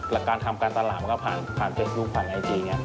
และการทำการตลาดมันก็ผ่านเป็นยุคผ่านไอจี